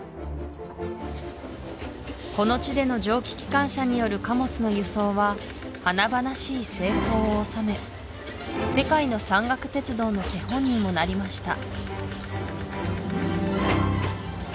この地での蒸気機関車による貨物の輸送は華々しい成功を収め世界の山岳鉄道の手本にもなりました